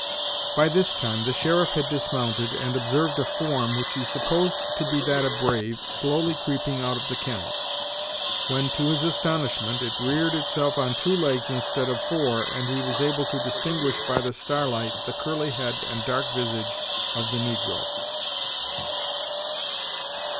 By this time the sheriff had dismounted, and observed a form, which he supposed to be that of Brave, slowly creeping out of the kennel; when, to his astonishment, it reared itself on two legs instead of four, and he was able to distinguish, by the starlight, the curly head and dark visage of the negro.